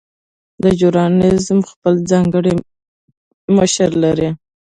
دا ژورنال خپل ځانګړی مشر لري.